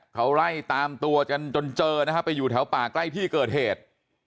เขาไล่ตามตัวจนเจอนะฮะไปอยู่แถวป่าใกล้ที่เกิดเหตุ